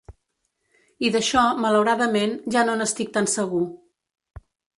I d’això, malauradament, ja no n’estic tan segur.